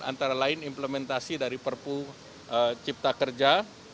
antara lain implementasi dari perpu cipta kerja